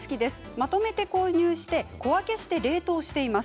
まとめて購入して、小分けして冷凍しています。